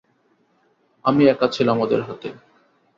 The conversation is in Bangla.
আমি একা ছিলাম ওদের হাতে।